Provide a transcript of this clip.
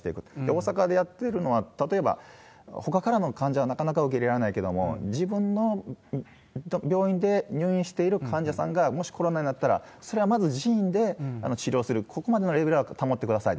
大阪でやってるのは、例えば、ほかからの患者はなかなか受け入れられないけれども、自分の病院で入院している患者さんが、もしコロナになったら、それはまず自院で治療する、ここまでのレベルは保ってください。